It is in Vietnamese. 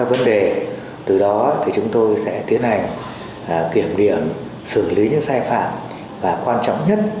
thế thì chúng tôi sẽ xem xét những kết luận đó